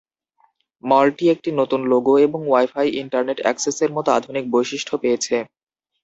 মলটি একটি নতুন লোগো এবং ওয়াই-ফাই ইন্টারনেট অ্যাক্সেসের মতো আধুনিক বৈশিষ্ট্য পেয়েছে।